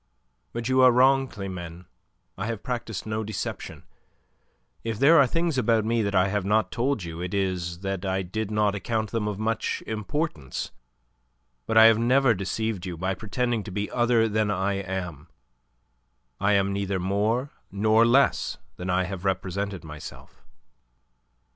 "But you are wrong, Climene. I have practised no deception. If there are things about me that I have not told you, it is that I did not account them of much importance. But I have never deceived you by pretending to be other than I am. I am neither more nor less than I have represented myself."